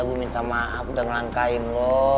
aku minta maaf udah ngelangkain lo